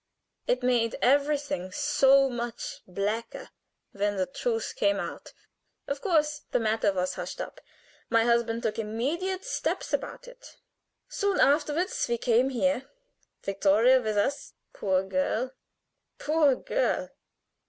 It made everything so much blacker when the truth came out. Of course the matter was hushed up. "My husband took immediate steps about it. Soon afterward we came here; Vittoria with us. Poor girl! Poor girl!